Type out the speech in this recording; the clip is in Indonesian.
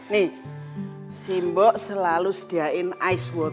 nih simbok selalu sediain air air